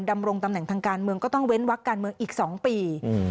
ดำรงตำแหน่งทางการเมืองก็ต้องเว้นวักการเมืองอีก๒ปี